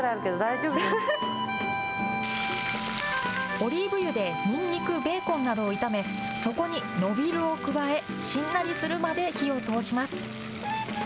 オリーブ油でニンニク、ベーコンなどを炒め、そこにノビルを加え、しんなりするまで火を通します。